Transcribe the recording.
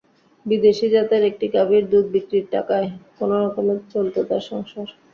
বিদেশি জাতের একটি গাভির দুধ বিক্রির টাকায় কোনো রকমে চলত তাঁর সংসার।